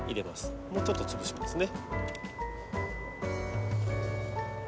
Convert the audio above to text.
もうちょっと潰しますね。